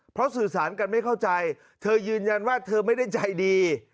เพราะสื่อสารกันไม่เข้าใจเธอยืนยันว่าเธอไม่ได้ใจดี